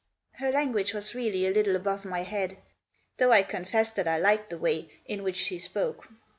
Her language was really a little above my head. Though I confess that I liked the way in which she spoke.